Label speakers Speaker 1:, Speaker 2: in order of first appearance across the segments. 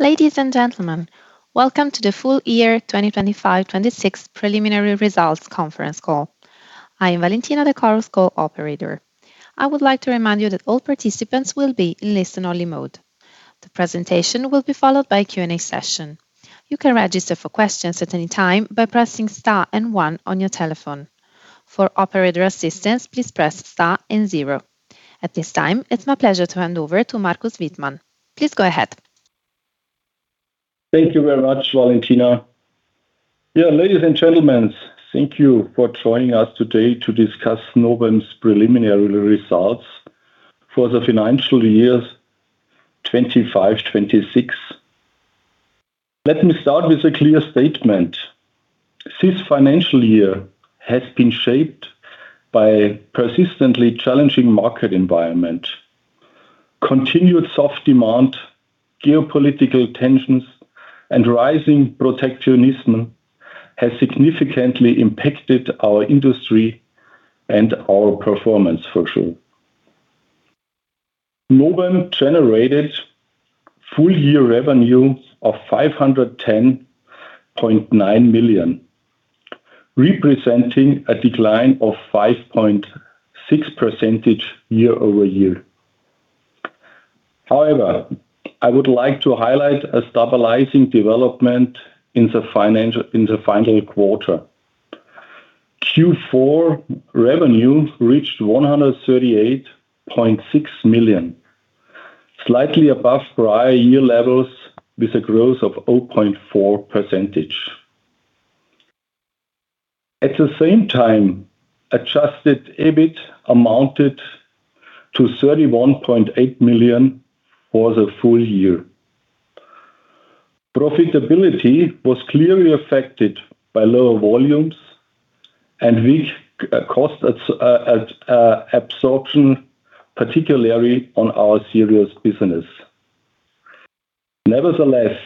Speaker 1: Ladies and gentlemen, welcome to the full year 2025/2026 preliminary results conference call. I am Valentina, the call's operator. I would like to remind you that all participants will be in listen-only mode. The presentation will be followed by a Q&A session. You can register for questions at any time by pressing star and one on your telephone. For operator assistance, please press star and zero. At this time, it's my pleasure to hand over to Markus Wittmann. Please go ahead.
Speaker 2: Thank you very much, Valentina. Ladies and gentlemen, thank you for joining us today to discuss Novem's preliminary results for the financial years 2025/2026. Let me start with a clear statement. This financial year has been shaped by a persistently challenging market environment. Continued soft demand, geopolitical tensions, and rising protectionism has significantly impacted our industry and our performance for sure. Novem generated full-year revenue of 510.9 million, representing a decline of 5.6% year-over-year. I would like to highlight a stabilizing development in the final quarter. Q4 revenue reached 138.6 million, slightly above prior year levels, with a growth of 0.4%. At the same time, adjusted EBIT amounted to 31.8 million for the full year. Profitability was clearly affected by lower volumes and weak cost absorption, particularly on our interiors business. Nevertheless,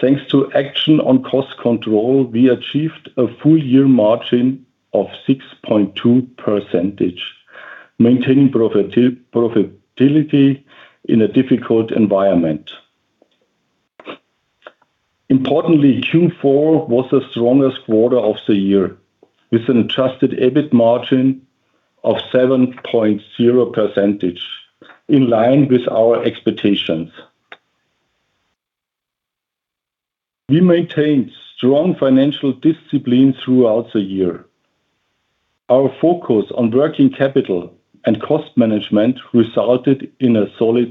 Speaker 2: thanks to action on cost control, we achieved a full-year margin of 6.2%, maintaining profitability in a difficult environment. Importantly, Q4 was the strongest quarter of the year, with an adjusted EBIT margin of 7.0%, in line with our expectations. We maintained strong financial discipline throughout the year. Our focus on working capital and cost management resulted in a solid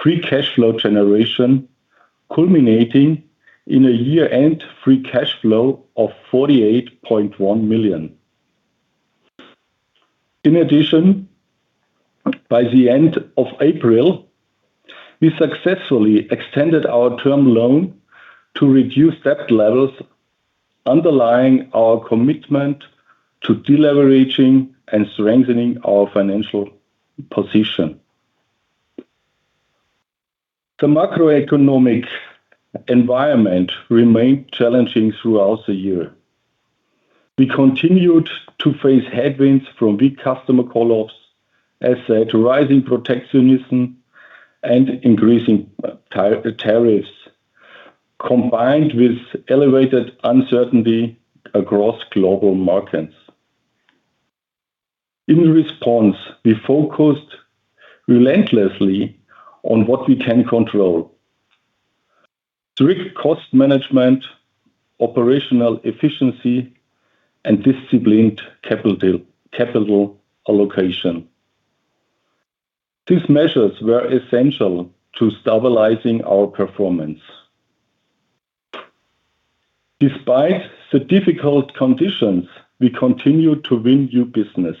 Speaker 2: free cash flow generation, culminating in a year-end free cash flow of 48.1 million. In addition, by the end of April, we successfully extended our term loan to reduce debt levels, underlying our commitment to deleveraging and strengthening our financial position. The macroeconomic environment remained challenging throughout the year. We continued to face headwinds from big customer call-offs, as said, rising protectionism, and increasing tariffs, combined with elevated uncertainty across global markets. In response, we focused relentlessly on what we can control. Strict cost management, operational efficiency, and disciplined capital allocation. These measures were essential to stabilizing our performance. Despite the difficult conditions, we continued to win new business.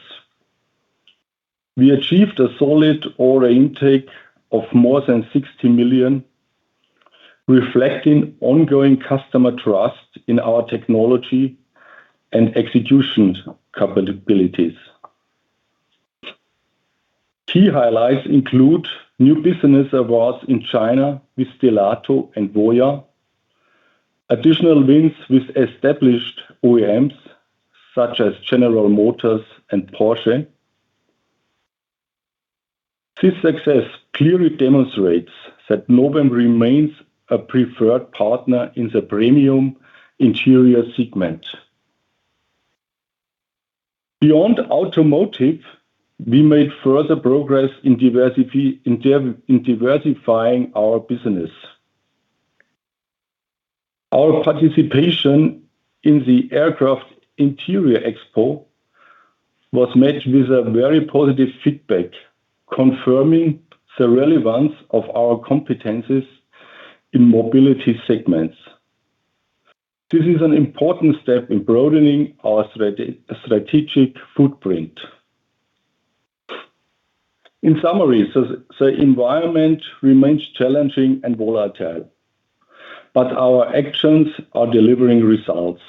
Speaker 2: We achieved a solid order intake of more than 60 million, reflecting ongoing customer trust in our technology and execution capabilities. Key highlights include new business awards in China with Stelato and Voyah, additional wins with established OEMs such as General Motors and Porsche. This success clearly demonstrates that Novem remains a preferred partner in the premium interior segment. Beyond automotive, we made further progress in diversifying our business. Our participation in the Aircraft Interiors Expo was met with a very positive feedback, confirming the relevance of our competencies in mobility segments. This is an important step in broadening our strategic footprint. In summary, the environment remains challenging and volatile, but our actions are delivering results.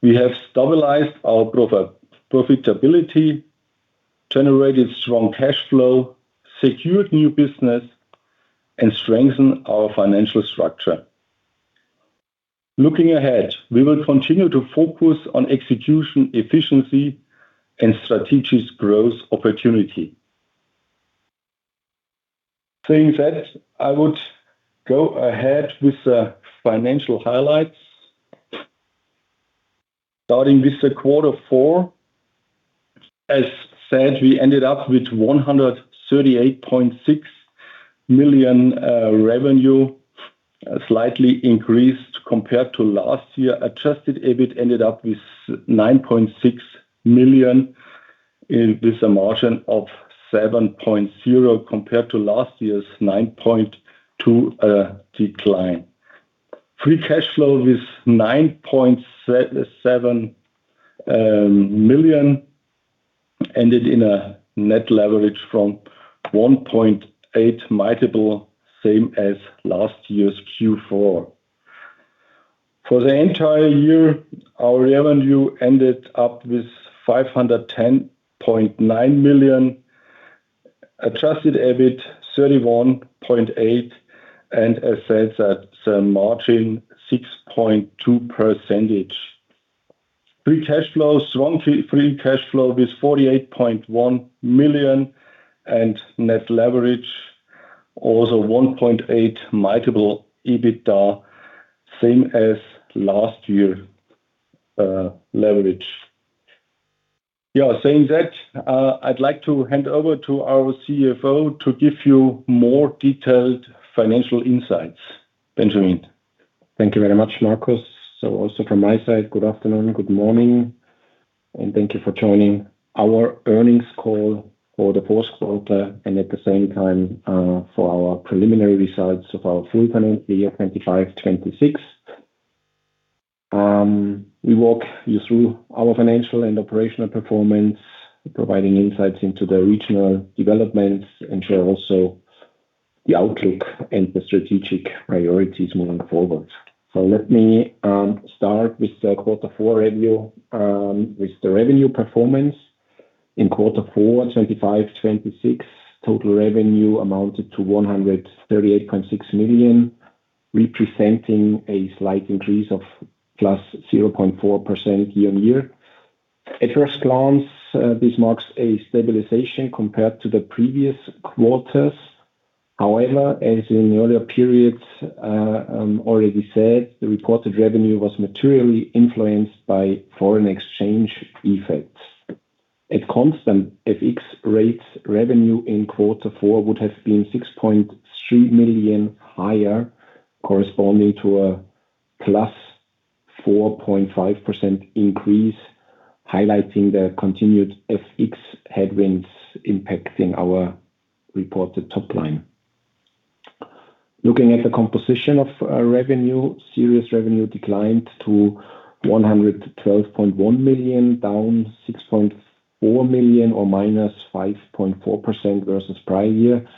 Speaker 2: We have stabilized our profitability, generated strong cash flow, secured new business, and strengthened our financial structure. Looking ahead, we will continue to focus on execution efficiency and strategic growth opportunity. I would go ahead with the financial highlights. Starting with the quarter four. As said, we ended up with 138.6 million revenue, slightly increased compared to last year. Adjusted EBIT ended up with 9.6 million in this margin of 7.0% compared to last year's 9.2% decline. Free cash flow with 9.7 million ended in a net leverage from 1.8 multiple, same as last year's Q4. For the entire year, our revenue ended up with 510.9 million, adjusted EBIT 31.8 million, and as said, that margin 6.2%. Free cash flow, strong free cash flow with 48.1 million and net leverage also 1.8 multiple EBITDA, same as last year leverage. Saying that, I'd like to hand over to our CFO to give you more detailed financial insights. Benjamin.
Speaker 3: Thank you very much, Markus. Also from my side, good afternoon, good morning, and thank you for joining our earnings call for the fourth quarter and at the same time for our preliminary results of our full financial year 2025/2026. We walk you through our financial and operational performance, providing insights into the regional developments, and share also the outlook and the strategic priorities moving forward. Let me start with the quarter four review. With the revenue performance in quarter four 2025/2026, total revenue amounted to 138.6 million, representing a slight increase of +0.4% year-on-year. At first glance, this marks a stabilization compared to the previous quarters. However, as in the earlier periods already said, the reported revenue was materially influenced by foreign exchange effects. At constant FX rates, revenue in quarter four would have been 6.3 million higher, corresponding to a +4.5% increase, highlighting the continued FX headwinds impacting our reported top line. Looking at the composition of our revenue, Series revenue declined to 112.1 million, down 6.4 million or -5.4% versus prior year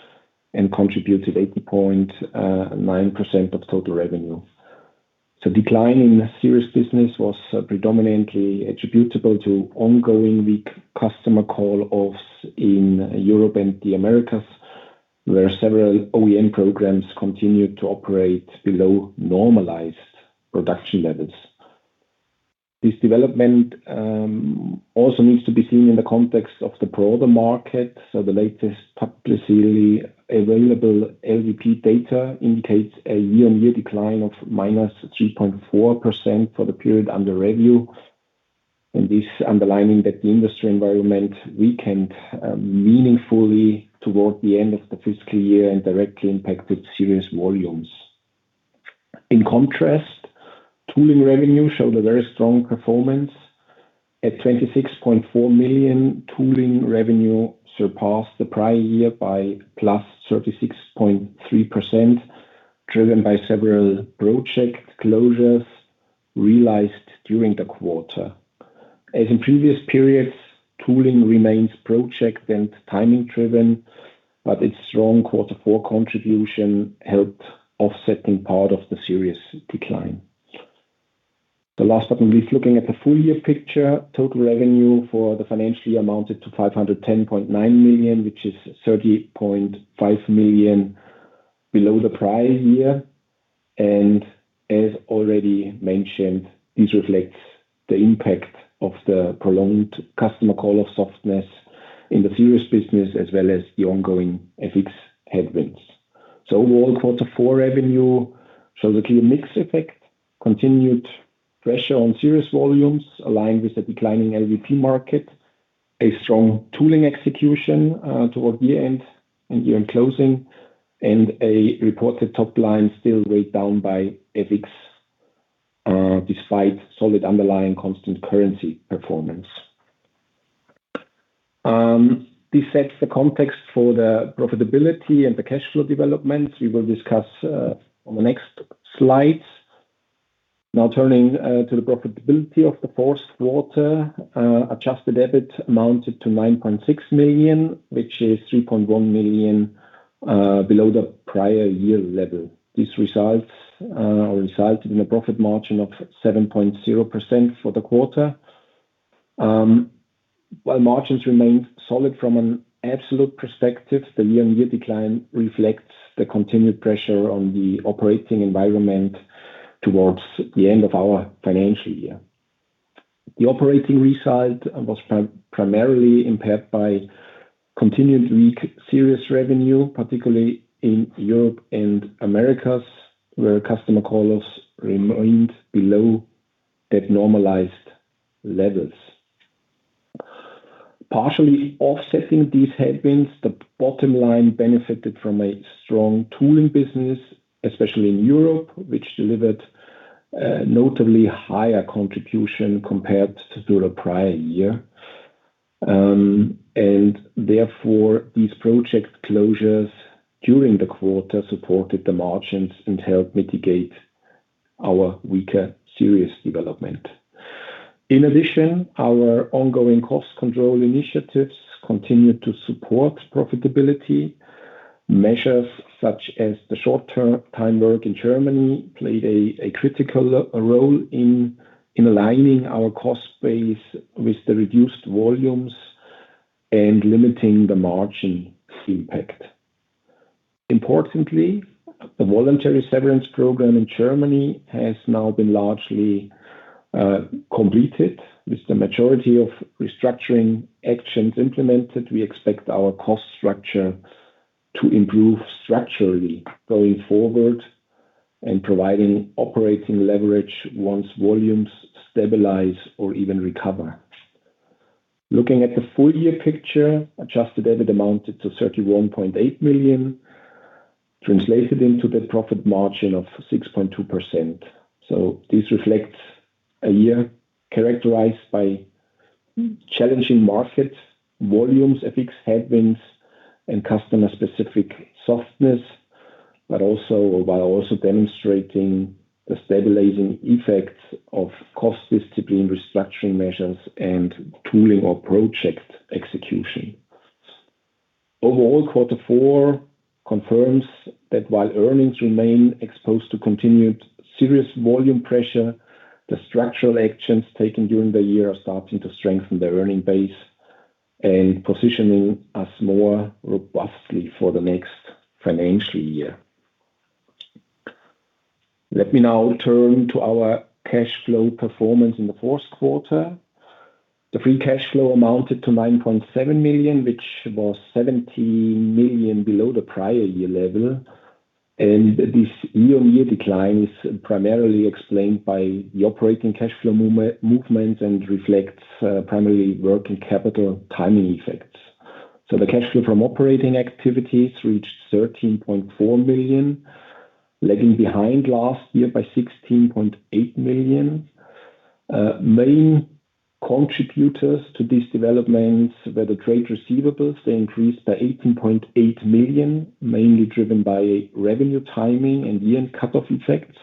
Speaker 3: and contributed 80.9% of total revenue. Decline in the Series business was predominantly attributable to ongoing weak customer call-offs in Europe and the Americas, where several OEM programs continued to operate below normalized production levels. This development also needs to be seen in the context of the broader market, the latest publicly available LVP data indicates a year-on-year decline of -3.4% for the period under review, this underlining that the industry environment weakened meaningfully toward the end of the fiscal year and directly impacted Series volumes. In contrast, tooling revenue showed a very strong performance. At 26.4 million, tooling revenue surpassed the prior year by +36.3%, driven by several project closures realized during the quarter. As in previous periods, tooling remains project and timing driven, but its strong quarter four contribution helped offsetting part of the Series decline. The last button is looking at the full year picture. Total revenue for the financial year amounted to 510.9 million, which is 30.5 million below the prior year. As already mentioned, this reflects the impact of the prolonged customer call-off softness in the Series business, as well as the ongoing FX headwinds. Overall, quarter four revenue shows a clear mix effect, continued pressure on Series volumes aligned with the declining LVP market, a strong tooling execution toward the end and year-end closing, and a reported top line still weighed down by FX despite solid underlying constant currency performance. This sets the context for the profitability and the cash flow developments we will discuss on the next slides. Turning to the profitability of the fourth quarter, adjusted EBIT amounted to 9.6 million, which is 3.1 million below the prior year level. This resulted in a profit margin of 7.0% for the quarter. While margins remained solid from an absolute perspective, the year-on-year decline reflects the continued pressure on the operating environment towards the end of our financial year. The operating result was primarily impacted by continued weak Series revenue, particularly in Europe and Americas, where customer call-offs remained below at normalized levels. Partially offsetting these headwinds, the bottom line benefited from a strong tooling business, especially in Europe, which delivered notably higher contribution compared to the prior year. Therefore, these project closures during the quarter supported the margins and helped mitigate our weaker Series development. In addition, our ongoing cost control initiatives continued to support profitability. Measures such as the short-term Kurzarbeit in Germany played a critical role in aligning our cost base with the reduced volumes and limiting the margin impact. Importantly, the voluntary severance program in Germany has now been largely completed. With the majority of restructuring actions implemented, we expect our cost structure to improve structurally going forward and providing operating leverage once volumes stabilize or even recover. Looking at the full-year picture, adjusted EBIT amounted to 31.8 million, translated into the profit margin of 6.2%. This reflects a year characterized by challenging market volumes, FX headwinds, and customer-specific softness, but while also demonstrating the stabilizing effects of cost discipline, restructuring measures, and tooling or project execution. Overall, quarter four confirms that while earnings remain exposed to continued Series volume pressure, the structural actions taken during the year are starting to strengthen the earning base and positioning us more robustly for the next financial year. Let me now turn to our cash flow performance in the fourth quarter. The free cash flow amounted to 9.7 million, which was 17 million below the prior year level, and this year-on-year decline is primarily explained by the operating cash flow movement and reflects primarily working capital timing effects. The cash flow from operating activities reached 13.4 million, lagging behind last year by 16.8 million. Main contributors to these developments were the trade receivables. They increased by 18.8 million, mainly driven by revenue timing and year-end cut-off effects.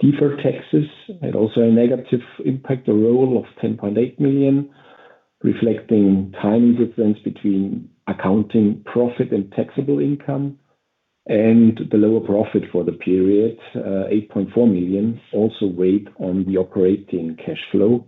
Speaker 3: Deferred taxes had also a negative impact, a roll of 10.8 million, reflecting timing difference between accounting profit and taxable income, and the lower profit for the period, 8.4 million, also weighed on the operating cash flow.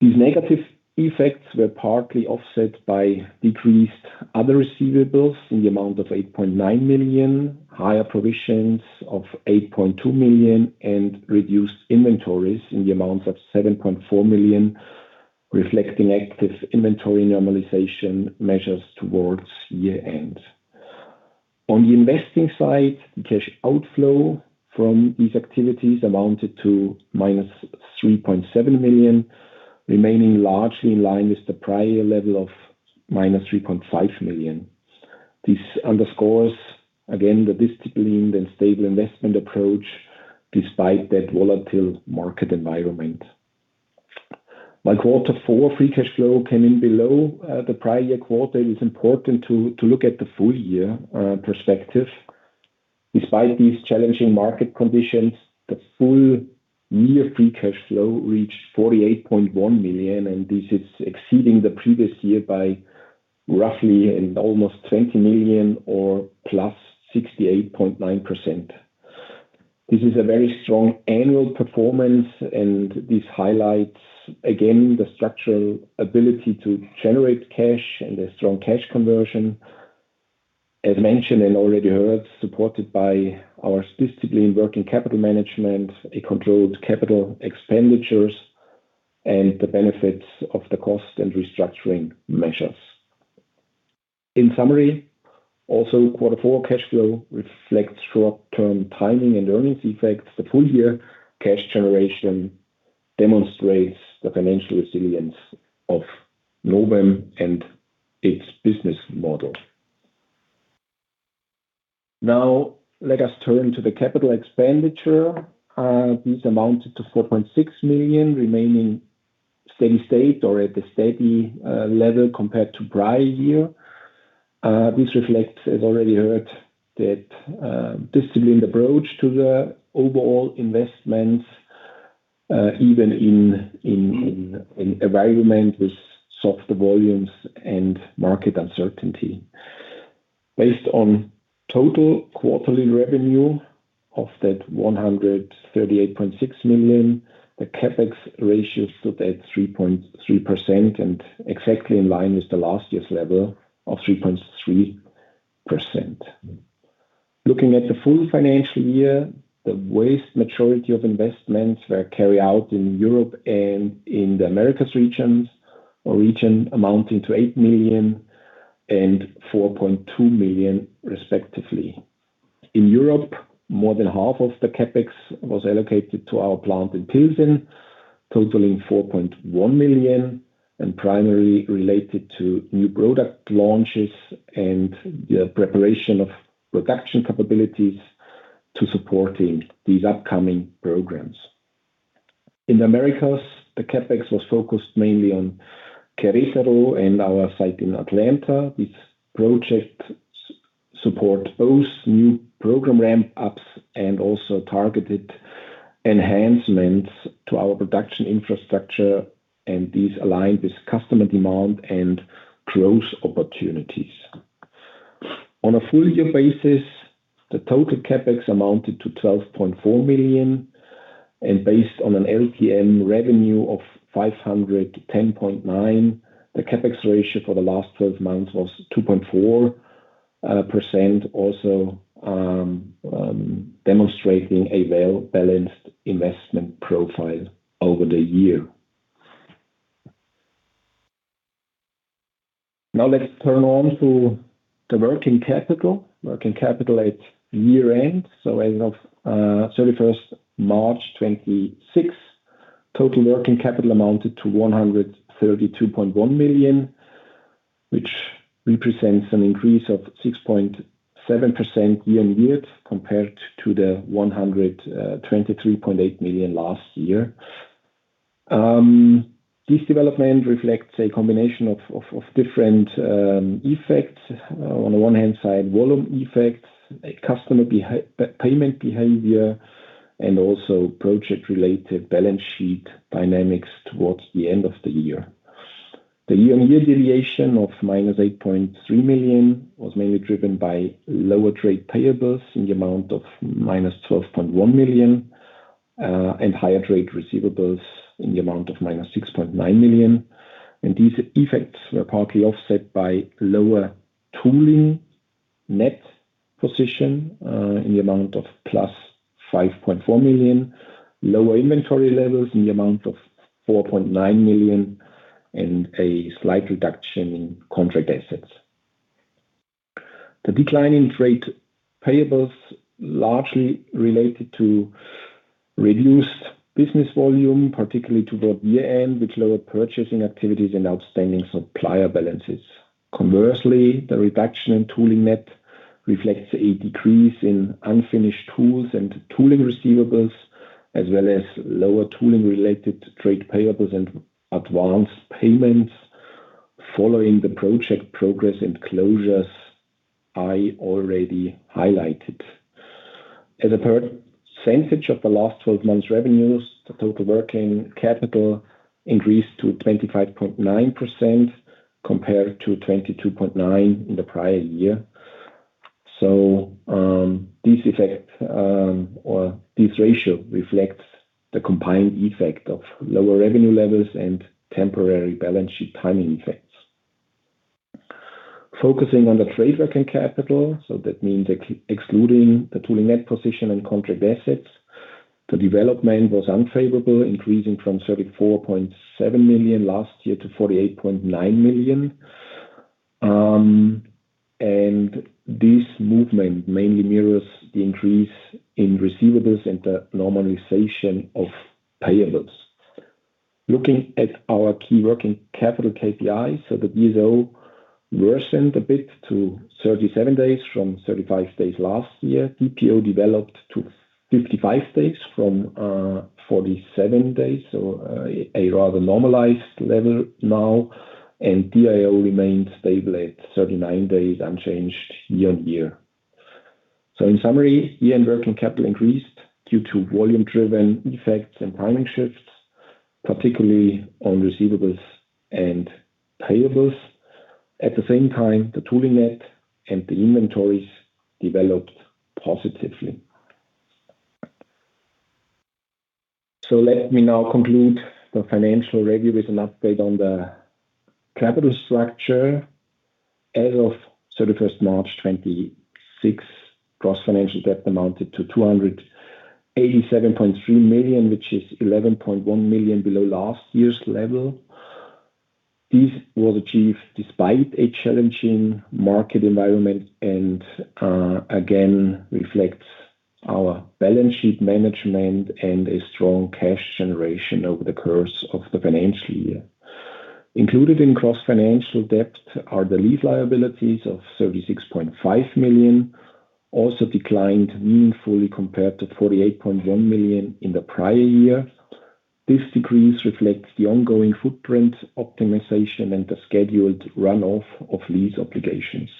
Speaker 3: These negative effects were partly offset by decreased other receivables in the amount of 8.9 million, higher provisions of 8.2 million, and reduced inventories in the amount of 7.4 million, reflecting active inventory normalization measures towards year-end. On the investing side, the cash outflow from these activities amounted to -3.7 million, remaining largely in line with the prior year level of -3.5 million. This underscores, again, the disciplined and stable investment approach, despite that volatile market environment. While quarter four free cash flow came in below the prior year quarter, it is important to look at the full year perspective. Despite these challenging market conditions, the full year free cash flow reached 48.1 million, this is exceeding the previous year by roughly and almost 20 million or +68.9%. This is a very strong annual performance, this highlights, again, the structural ability to generate cash and the strong cash conversion. As mentioned and already heard, supported by our disciplined working capital management, a controlled capital expenditures, and the benefits of the cost and restructuring measures. In summary, also quarter four cash flow reflects short-term timing and earnings effects. The full-year cash generation demonstrates the financial resilience of Novem and its business model. Now, let us turn to the capital expenditure. This amounted to 4.6 million, remaining steady state or at the steady level compared to prior year. This reflects, as already heard, that disciplined approach to the overall investments, even in environment with softer volumes and market uncertainty. Based on total quarterly revenue of 138.6 million, the CapEx ratio stood at 3.3% and exactly in line with the last year's level of 3.3%. Looking at the full financial year, the vast majority of investments were carried out in Europe and in the Americas region, amounting to 8 million and 4.2 million respectively. In Europe, more than half of the CapEx was allocated to our plant in Plzeň, totaling 4.1 million, and primarily related to new product launches and the preparation of production capabilities to supporting these upcoming programs. In the Americas, the CapEx was focused mainly on Querétaro and our site in Atlanta. These projects support both new program ramp-ups and also targeted enhancements to our production infrastructure. These align with customer demand and growth opportunities. On a full year basis, the total CapEx amounted to 12.4 million. Based on an LTM revenue of 510.9, the CapEx ratio for the last 12 months was 2.4%, also demonstrating a well-balanced investment profile over the year. Let's turn on to the working capital. Working capital at year-end. As of 31st March 2026, total working capital amounted to 132.1 million, which represents an increase of 6.7% year-on-year compared to the 123.8 million last year. This development reflects a combination of different effects, on the one hand side, volume effects, customer payment behavior, and also project-related balance sheet dynamics towards the end of the year. The year-on-year deviation of -8.3 million was mainly driven by lower trade payables in the amount of -12.1 million and higher trade receivables in the amount of -6.9 million. These effects were partly offset by lower tooling net position, in the amount of +5.4 million, lower inventory levels in the amount of 4.9 million, and a slight reduction in contract assets. The decline in trade payables largely related to reduced business volume, particularly toward year-end, which lowered purchasing activities and outstanding supplier balances. Conversely, the reduction in tooling net reflects a decrease in unfinished tools and tooling receivables, as well as lower tooling-related trade payables and advanced payments following the project progress and closures I already highlighted. As a percentage of the LTM revenues, the total working capital increased to 25.9% compared to 22.9% in the prior year. This effect or this ratio reflects the combined effect of lower revenue levels and temporary balance sheet timing effects. Focusing on the trade working capital, that means excluding the tooling net position and contract assets, the development was unfavorable, increasing from 34.7 million last year to 48.9 million. This movement mainly mirrors the increase in receivables and the normalization of payables. Looking at our key working capital KPIs, the DSO worsened a bit to 37 days from 35 days last year. DPO developed to 55 days from 47 days, a rather normalized level now. DIO remained stable at 39 days, unchanged year-on-year. In summary, year-end working capital increased due to volume-driven effects and timing shifts, particularly on receivables and payables. At the same time, the tooling net and the inventories developed positively. Let me now conclude the financial review with an update on the capital structure. As of 31st March 2026, gross financial debt amounted to 287.3 million, which is 11.1 million below last year's level. This was achieved despite a challenging market environment and again reflects our balance sheet management and a strong cash generation over the course of the financial year. Included in gross financial debt are the lease liabilities of 36.5 million, also declined meaningfully compared to 48.1 million in the prior year. This decrease reflects the ongoing footprint optimization and the scheduled runoff of lease obligations.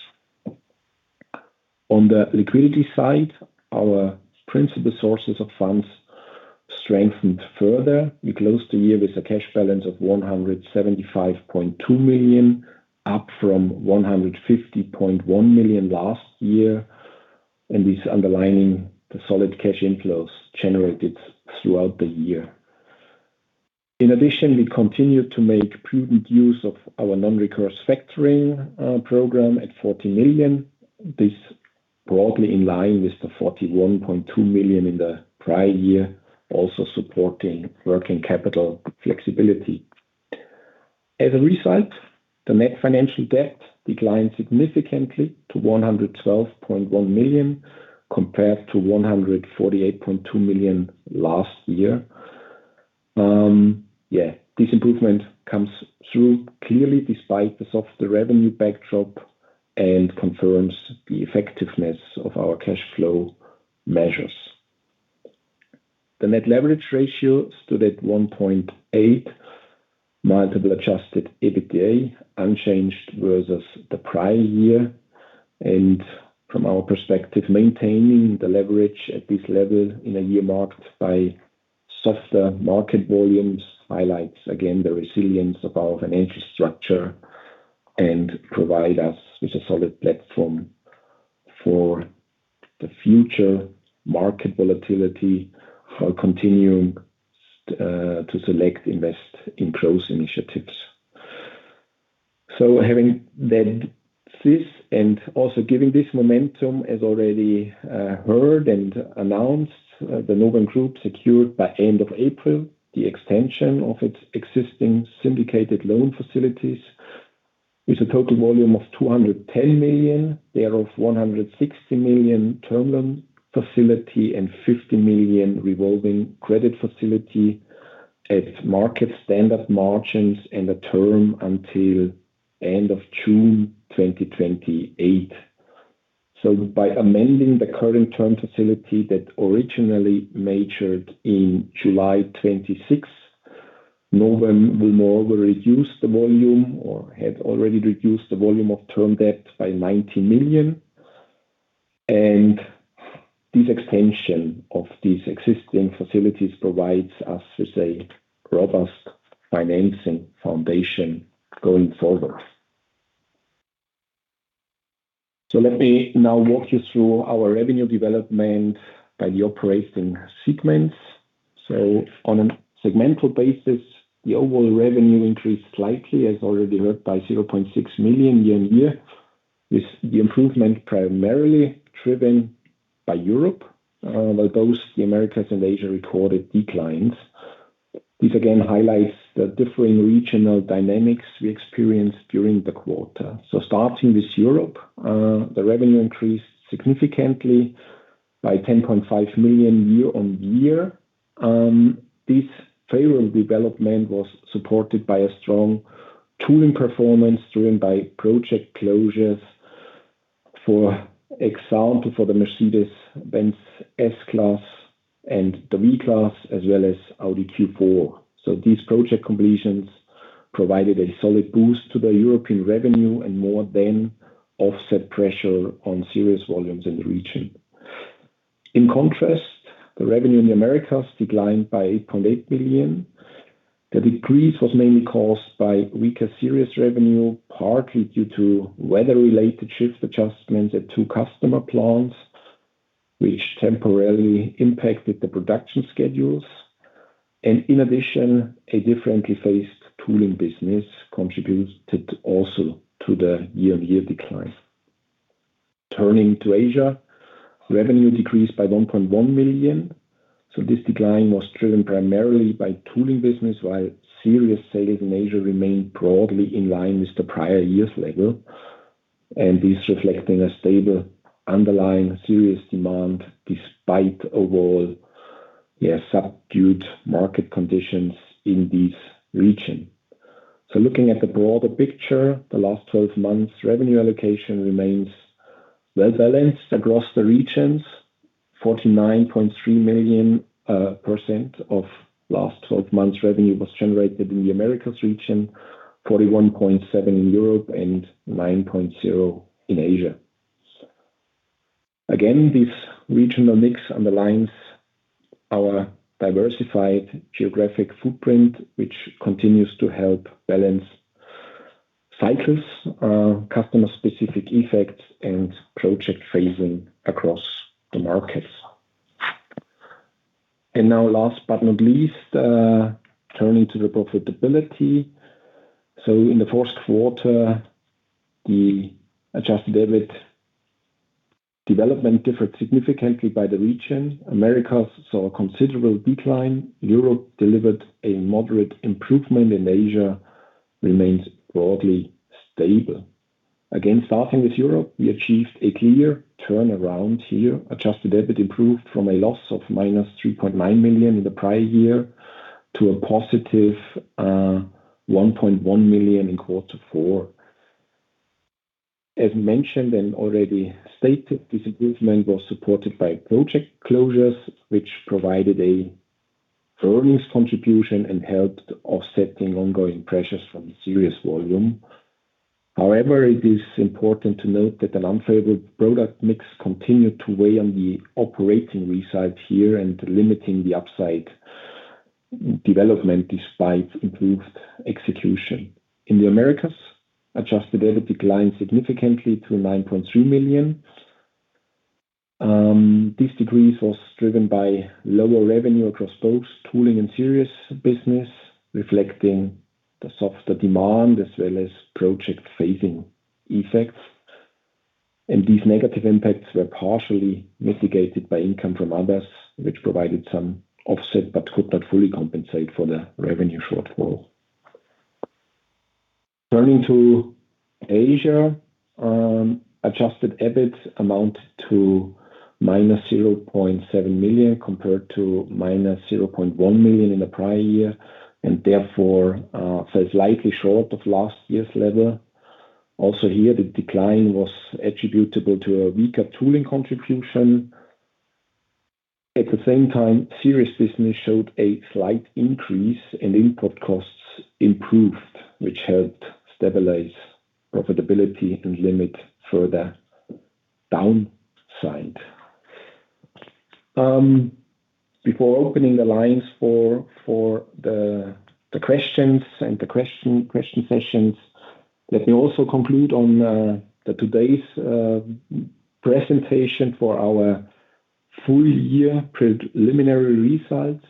Speaker 3: On the liquidity side, our principal sources of funds strengthened further. We closed the year with a cash balance of 175.2 million, up from 150.1 million last year, and this underlining the solid cash inflows generated throughout the year. In addition, we continued to make prudent use of our non-recourse factoring program at 40 million. This broadly in line with the 41.2 million in the prior year, also supporting working capital flexibility. As a result, the net financial debt declined significantly to 112.1 million compared to 148.2 million last year. This improvement comes through clearly despite the softer revenue backdrop and confirms the effectiveness of our cash flow measures. The net leverage ratio stood at 1.8 multiple adjusted EBITDA, unchanged versus the prior year and, from our perspective, maintaining the leverage at this level in a year marked by softer market volumes highlights, again, the resilience of our financial structure and provide us with a solid platform for the future market volatility while continuing to select invest in close initiatives. Having said this, and also giving this momentum, as already heard and announced, the Novem Group secured by end of April the extension of its existing syndicated loan facilities with a total volume of 210 million, thereof 160 million term loan facility and 50 million revolving credit facility at market standard margins and a term until end of June 2028. By amending the current term facility that originally matured in July 2026, Novem will moreover reduce the volume or had already reduced the volume of term debt by 90 million. This extension of these existing facilities provides us with a robust financing foundation going forward. Let me now walk you through our revenue development by the operating segments. On a segmental basis, the overall revenue increased slightly, as already heard, by 0.6 million year-on-year, with the improvement primarily driven by Europe. While both the Americas and Asia recorded declines. This again highlights the differing regional dynamics we experienced during the quarter. Starting with Europe, the revenue increased significantly by 10.5 million year-on-year. This favorable development was supported by a strong tooling performance driven by project closures, for example, for the Mercedes-Benz S-Class and the V-Class, as well as Audi Q4. These project completions provided a solid boost to the European revenue and more than offset pressure on Series volumes in the region. In contrast, the revenue in the Americas declined by 8.8 million. The decrease was mainly caused by weaker Series revenue, partly due to weather-related shift adjustments at two customer plants, which temporarily impacted the production schedules. In addition, a differently phased tooling business contributed also to the year-on-year decline. Turning to Asia, revenue decreased by 1.1 million. This decline was driven primarily by tooling business, while Series sales in Asia remained broadly in line with the prior year's level, and this reflecting a stable underlying Series demand despite overall subdued market conditions in this region. Looking at the broader picture, the LTM revenue allocation remains well-balanced across the regions, 49.3% of LTM revenue was generated in the Americas region, 41.7% in Europe and 9.0% in Asia. Again, this regional mix underlines our diversified geographic footprint, which continues to help balance cycles, customer-specific effects, and project phasing across the markets. Now last but not least, turning to the profitability. In the first quarter, the adjusted EBIT development differed significantly by the region. Americas saw a considerable decline, Europe delivered a moderate improvement, Asia remains broadly stable. Again, starting with Europe, we achieved a clear turnaround here. Adjusted EBIT improved from a loss of -3.9 million in the prior year to a positive 1.1 million in quarter four. As mentioned and already stated, this improvement was supported by project closures, which provided an earnings contribution and helped offsetting ongoing pressures from Series volume. It is important to note that an unfavorable product mix continued to weigh on the operating results here and limiting the upside development despite improved execution. In the Americas, adjusted EBIT declined significantly to 9.3 million. This decrease was driven by lower revenue across both tooling and Series business, reflecting the softer demand as well as project phasing effects. These negative impacts were partially mitigated by income from others, which provided some offset, but could not fully compensate for the revenue shortfall. Turning to Asia, adjusted EBIT amounted to -0.7 million compared to -0.1 million in the prior year and therefore, fell slightly short of last year's level. Also here, the decline was attributable to a weaker tooling contribution. At the same time, Series business showed a slight increase and input costs improved, which helped stabilize profitability and limit further downside. Before opening the lines for the questions and the question sessions, let me also conclude on today's presentation for our full year preliminary results.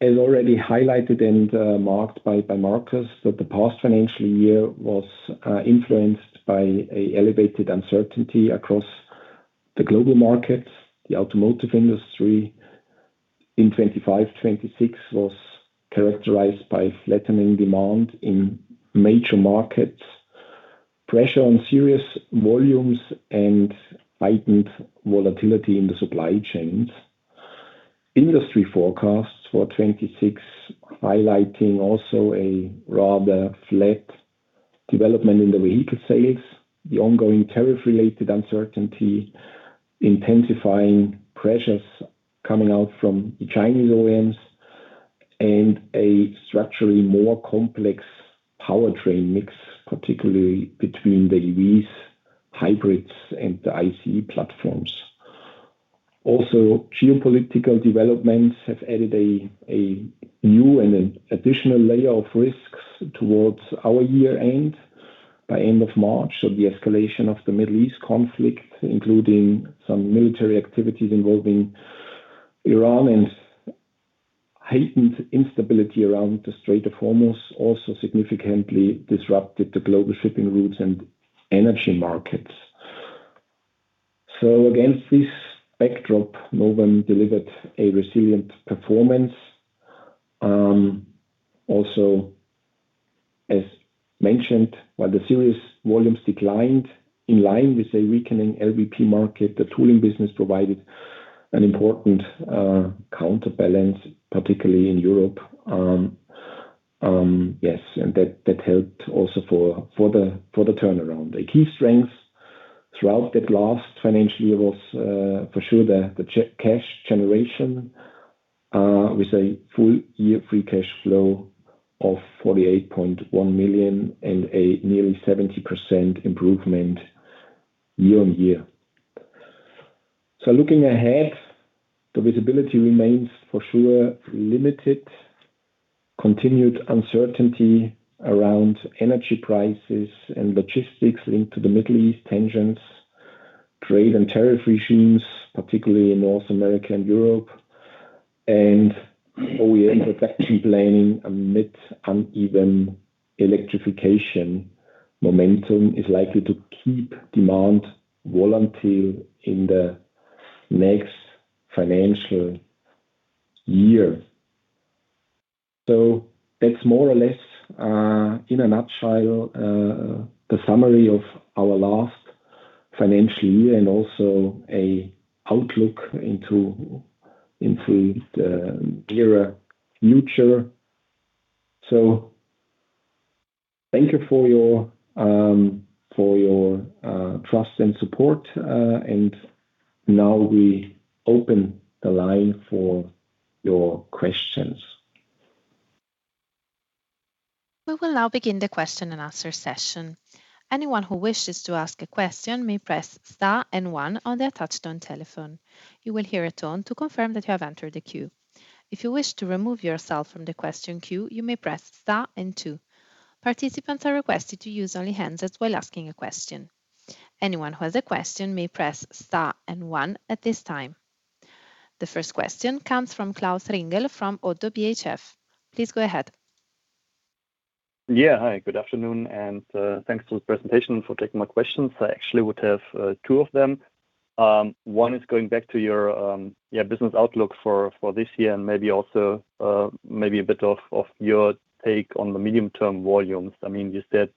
Speaker 3: As already highlighted and marked by Markus, that the past financial year was influenced by a elevated uncertainty across the global markets. The automotive industry in 2025/2026 was characterized by flattening demand in major markets, pressure on Series volumes, and heightened volatility in the supply chains. Industry forecasts for 2026 highlighting a rather flat development in the vehicle sales, the ongoing tariff related uncertainty, intensifying pressures coming out from the Chinese OEMs and a structurally more complex powertrain mix, particularly between the BEVs hybrids and the ICE platforms. Geopolitical developments have added a new and an additional layer of risks towards our year end by end of March. The escalation of the Middle East conflict, including some military activities involving Iran and heightened instability around the Strait of Hormuz, also significantly disrupted the global shipping routes and energy markets. Against this backdrop, Novem delivered a resilient performance. As mentioned, while the Series volumes declined in line with a weakening LVP market, the tooling business provided an important counterbalance, particularly in Europe. That helped also for the turnaround. A key strength throughout that last financial year was, for sure the cash generation, with a full year free cash flow of 48.1 million and a nearly 70% improvement year on year. Looking ahead, the visibility remains for sure limited. Continued uncertainty around energy prices and logistics linked to the Middle East tensions, trade and tariff regimes, particularly in North America and Europe, and OEM investment planning amid uneven electrification momentum is likely to keep demand volatile in the next financial year. That's more or less, in a nutshell, the summary of our last financial year and also a outlook into the nearer future. Thank you for your trust and support. Now we open the line for your questions.
Speaker 1: The first question comes from Klaus Ringel from Oddo BHF. Please go ahead.
Speaker 4: Yeah. Hi, good afternoon. Thanks for the presentation, for taking my questions. I actually would have two of them. One is going back to your business outlook for this year and maybe also a bit of your take on the medium-term volumes. You said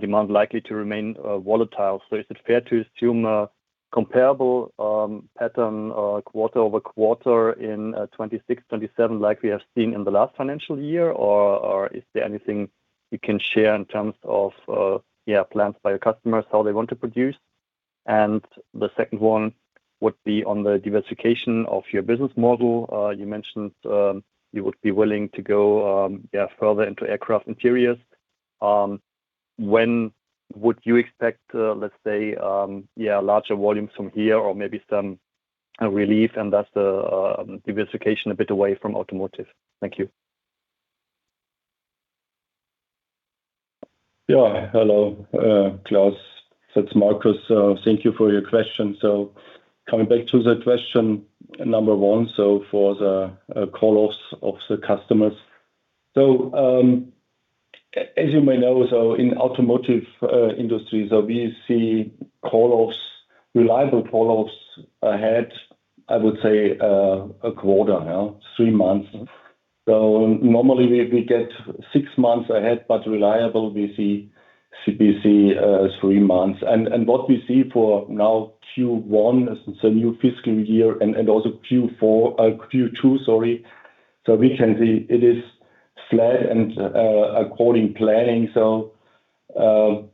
Speaker 4: demand likely to remain volatile. Is it fair to assume a comparable pattern quarter-over-quarter in 2026/2027 like we have seen in the last financial year? Is there anything you can share in terms of plans by your customers, how they want to produce? The second one would be on the diversification of your business model. You mentioned you would be willing to go further into aircraft interiors. When would you expect, let's say, larger volumes from here or maybe some relief, and thus the diversification a bit away from automotive? Thank you.
Speaker 2: Hello, Klaus. It's Markus. Thank you for your question. Coming back to the question number one, for the call-offs of the customers. As you may know, in automotive industry, we see reliable call-offs ahead, I would say, a quarter now, three months. Normally, we get six months ahead, but reliable we see three months. What we see for now, Q1, as the new fiscal year, and also Q4, oh, Q2 sorry, we can see it is flat and according planning.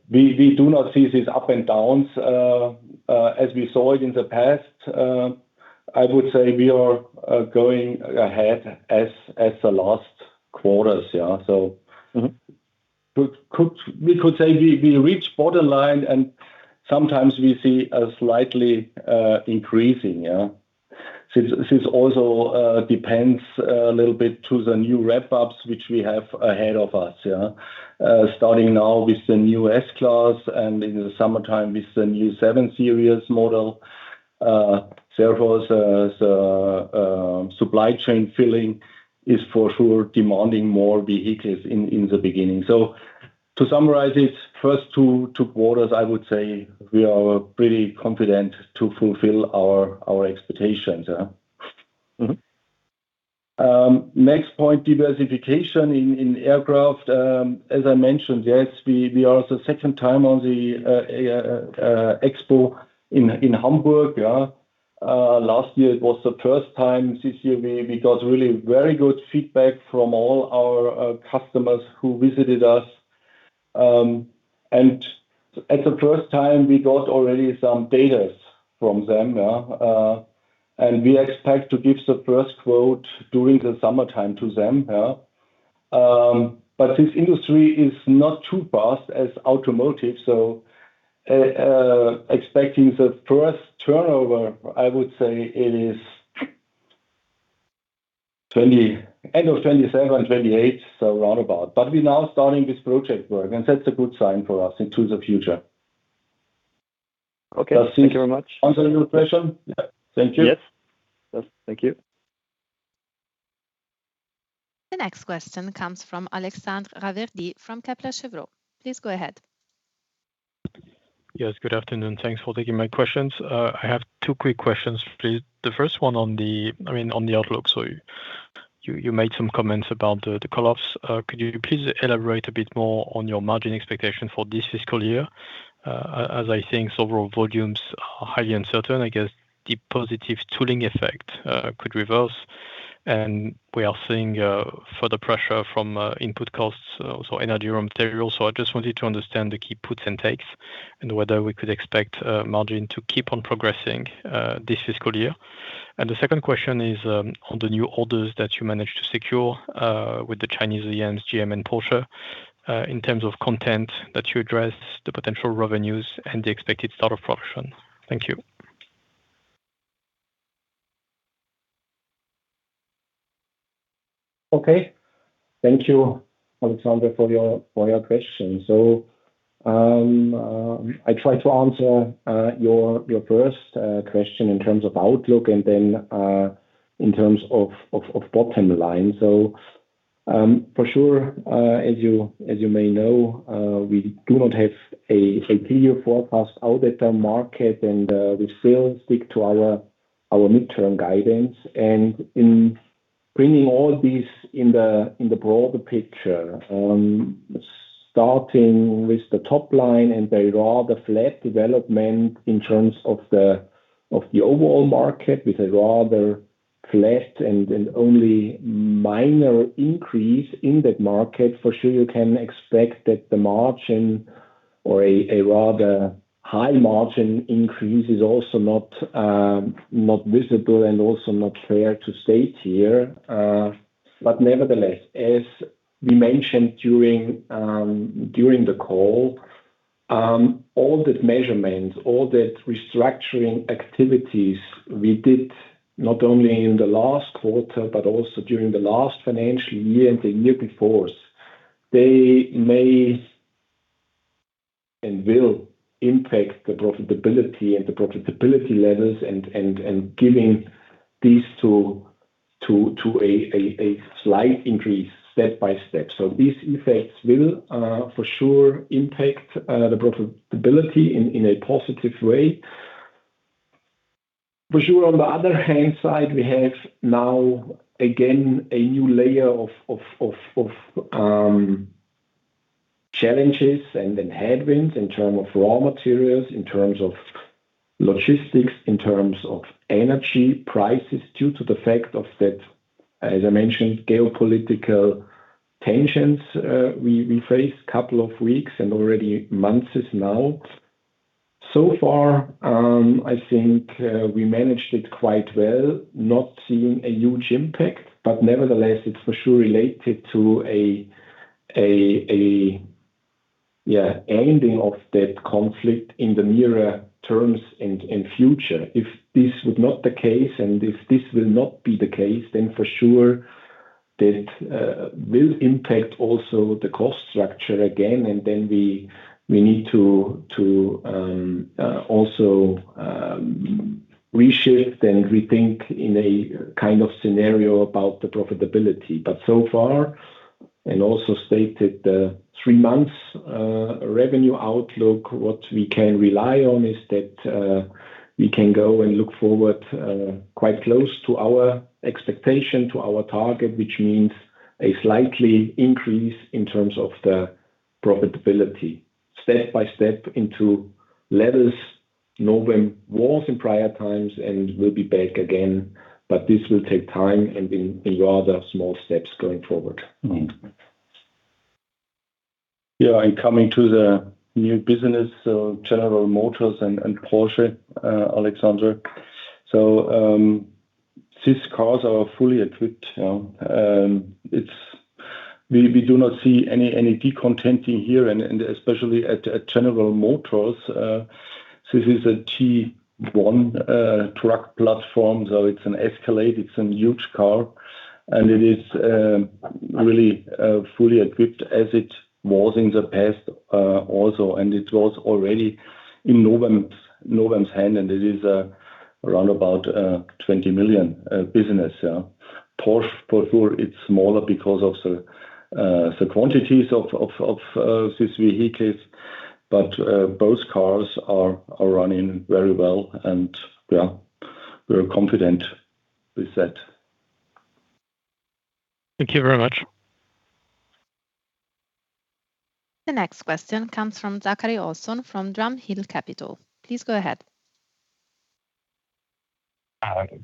Speaker 2: We do not see these up and downs, as we saw it in the past. I would say we are going ahead as the last quarters. We could say we reach borderline and sometimes we see a slightly increasing, yeah. Since this also depends a little bit to the new ramp-ups, which we have ahead of us, yeah. Starting now with the new S-Class and in the summertime with the new 7 Series model. Several supply chain filling is for sure demanding more vehicles in the beginning. To summarize it, first two quarters, I would say we are pretty confident to fulfill our expectations, yeah. Next point, diversification in aircraft. As I mentioned, yes, we are the second time on the expo in Hamburg. Last year, it was the first time since COVID. We got really very good feedback from all our customers who visited us. At the first time, we got already some data from them. We expect to give the first quote during the summertime to them. This industry is not too fast as automotive, so expecting the first turnover, I would say it is end of 2027/2028, so roundabout. We now starting this project work, and that's a good sign for us into the future.
Speaker 4: Okay. Thank you very much.
Speaker 2: Does it answer your question? Yeah. Thank you.
Speaker 4: Yes. Thank you.
Speaker 1: The next question comes from Alexandre Raverdy from Kepler Cheuvreux. Please go ahead.
Speaker 5: Yes, good afternoon. Thanks for taking my questions. I have two quick questions, please. The first one on the outlook. You made some comments about the call-offs. Could you please elaborate a bit more on your margin expectation for this fiscal year? I think several volumes are highly uncertain, I guess the positive tooling effect could reverse, and we are seeing further pressure from input costs, energy, raw material. I just wanted to understand the key puts and takes, and whether we could expect margin to keep on progressing this fiscal year. The second question is on the new orders that you managed to secure with the Chinese OEMs, GM and Porsche, in terms of content that you address, the potential revenues, and the expected start of production. Thank you.
Speaker 3: Okay. Thank you, Alexandre, for your question. I try to answer your first question in terms of outlook and then in terms of bottom line. For sure, as you may know, we do not have a three-year forecast out at the market, and we still stick to our midterm guidance. In bringing all this in the broader picture, starting with the top line and the rather flat development in terms of the overall market, with a rather flat and only minor increase in that market, for sure, you can expect that the margin or a rather high margin increase is also not visible and also not fair to state here. Nevertheless, as we mentioned during the call, all that measurements, all that restructuring activities we did, not only in the last quarter, but also during the last financial year and the year before, they may and will impact the profitability and the profitability levels and giving these to a slight increase step by step. These effects will, for sure, impact the profitability in a positive way. On the other hand side, we have now, again, a new layer of challenges and headwinds in term of raw materials, in terms of logistics, in terms of energy prices, due to the fact of that As I mentioned, geopolitical tensions. We faced couple of weeks and already months is now. Far, I think we managed it quite well, not seeing a huge impact, but nevertheless, it's for sure related to an ending of that conflict in the nearer terms in future. If this was not the case, and if this will not be the case, for sure that will impact also the cost structure again, we need to also reshift and rethink in a kind of scenario about the profitability. Far, and also stated the three months revenue outlook, what we can rely on is that we can go and look forward quite close to our expectation, to our target, which means a slight increase in terms of the profitability. Step by step into levels Novem was in prior times and will be back again, this will take time and in rather small steps going forward.
Speaker 2: Coming to the new business, General Motors and Porsche, Alexandre. These cars are fully equipped. We do not see any decontenting here, especially at General Motors. This is a T1 truck platform. It's an Escalade, it's a huge car. It is really fully equipped as it was in the past also. It was already in Novem's hand, and it is around about 20 million business. Porsche, for sure, it's smaller because of the quantities of these vehicles. Both cars are running very well and we are confident with that.
Speaker 5: Thank you very much.
Speaker 1: The next question comes from Zachary Olson from Drum Hill Capital. Please go ahead.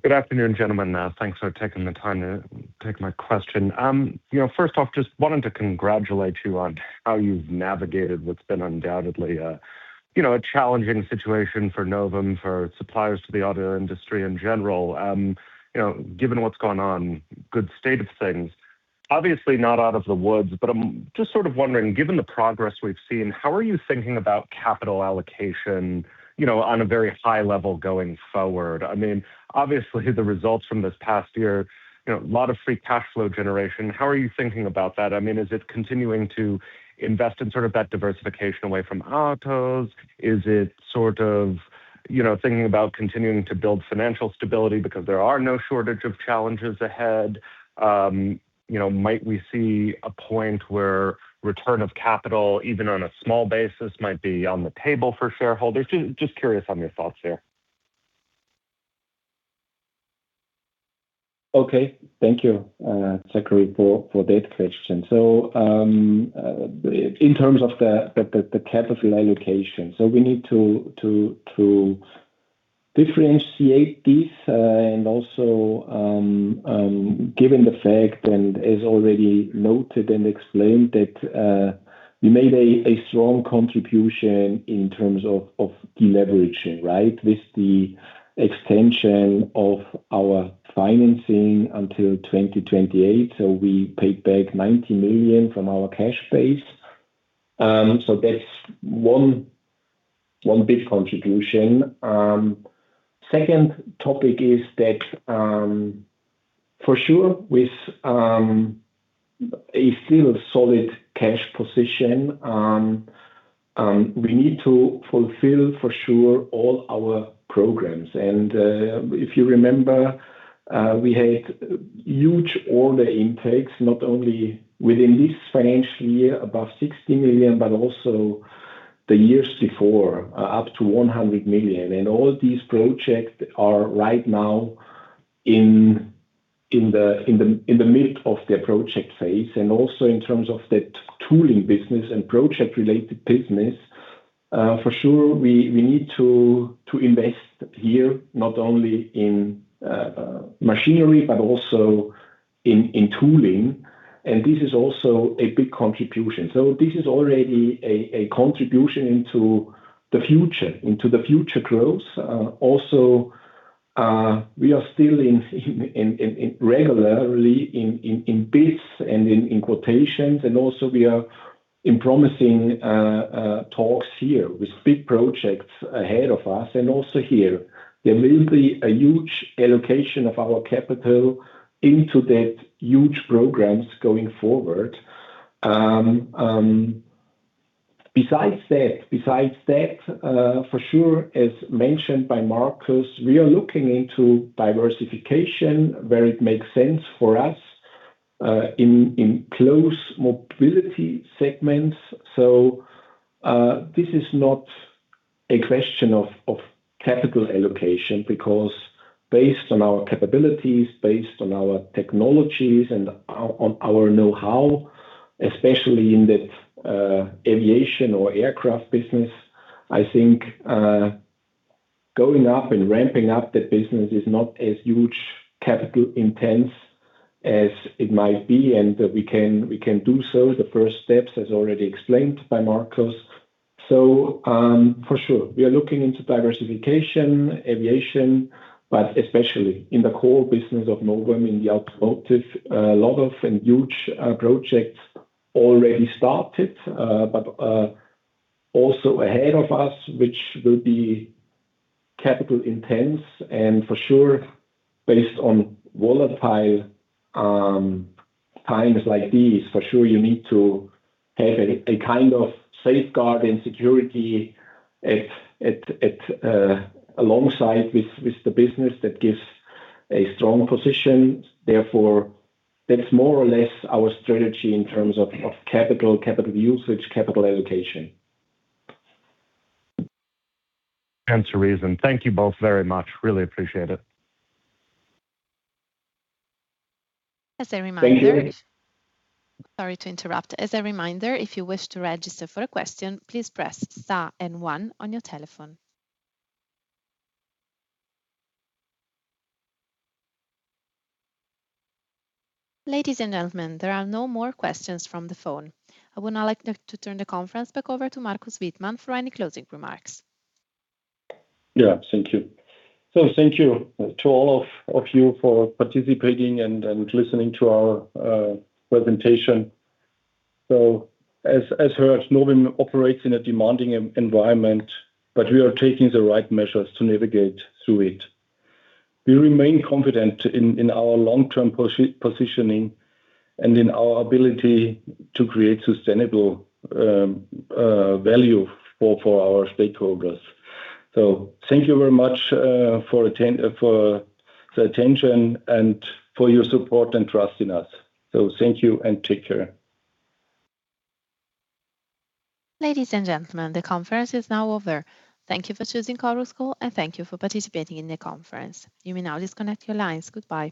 Speaker 6: Good afternoon, gentlemen. Thanks for taking the time to take my question. First off, just wanted to congratulate you on how you've navigated what's been undoubtedly a challenging situation for Novem, for suppliers to the auto industry in general. Given what's gone on, good state of things. Obviously not out of the woods, but I'm just sort of wondering, given the progress we've seen, how are you thinking about capital allocation on a very high level going forward? Obviously, the results from this past year, a lot of free cash flow generation. How are you thinking about that? Is it continuing to invest in sort of that diversification away from autos? Is it sort of thinking about continuing to build financial stability because there are no shortage of challenges ahead? Might we see a point where return of capital, even on a small basis, might be on the table for shareholders? Just curious on your thoughts there.
Speaker 3: Thank you, Zachary, for that question. In terms of the capital allocation, we need to differentiate this, also given the fact, as already noted and explained, that we made a strong contribution in terms of deleveraging, right? With the extension of our financing until 2028. We paid back 90 million from our cash base. That's one big contribution. Second topic is that, for sure, with a still solid cash position, we need to fulfill for sure all our programs. If you remember, we had huge order intakes, not only within this financial year, above 60 million, but also the years before, up to 100 million. All these projects are right now in the mid of their project phase. Also in terms of that tooling business and project-related business, for sure, we need to invest here, not only in machinery, but also in tooling. This is also a big contribution. This is already a contribution into the future growth. Also, we are still regularly in bids and in quotations, and also we are in promising talks here with big projects ahead of us. Also here, there will be a huge allocation of our capital into that huge programs going forward. Besides that, for sure, as mentioned by Markus, we are looking into diversification where it makes sense for us, in close mobility segments. This is not a question of capital allocation because based on our capabilities, based on our technologies and on our know-how, especially in that aviation or aircraft business, ramping up the business is not as huge capital-intensive as it might be, and we can do so. The first steps, as already explained by Markus. For sure, we are looking into diversification, aviation, but especially in the core business of Novem in the automotive. A lot of and huge projects already started, but also ahead of us, which will be capital-intensive and for sure, based on volatile times like these, you need to have a kind of safeguard and security alongside with the business that gives a strong position. That's more or less our strategy in terms of capital usage, capital allocation.
Speaker 6: Answer is. Thank you both very much. Really appreciate it.
Speaker 1: As a reminder.
Speaker 2: Thank you.
Speaker 1: Sorry to interrupt. As a reminder, if you wish to register for a question, please press star and one on your telephone. Ladies and gentlemen, there are no more questions from the phone. I would now like to turn the conference back over to Markus Wittmann for any closing remarks.
Speaker 2: Yeah, thank you. Thank you to all of you for participating and listening to our presentation. As heard, Novem operates in a demanding environment, but we are taking the right measures to navigate through it. We remain confident in our long-term positioning and in our ability to create sustainable value for our stakeholders. Thank you very much for the attention and for your support and trust in us. Thank you and take care.
Speaker 1: Ladies and gentlemen, the conference is now over. Thank you for choosing Chorus Call, and thank you for participating in the conference. You may now disconnect your lines. Goodbye.